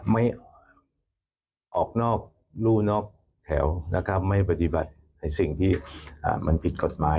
ไม่ออกนอกรู่นอกแถวนะครับไม่ปฏิบัติในสิ่งที่มันผิดกฎหมาย